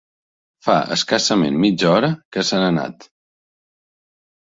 Fa escassament mitja hora que se n'ha anat.